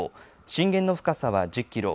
震源の深さは１０キロ。